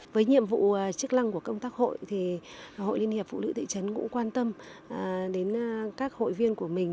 với nhiệm vụ chức lăng của công tác hội thì hội liên hiệp phụ nữ thị trấn cũng quan tâm đến các hội viên của mình